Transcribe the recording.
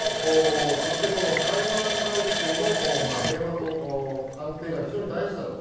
そして、台湾海峡の平和と安定が非常に大事だと。